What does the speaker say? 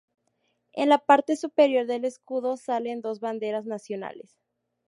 En la parte superior del escudo salen dos banderas nacionales.